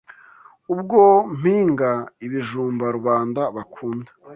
Ubwo mpinga ibijumba Rubanda bakunda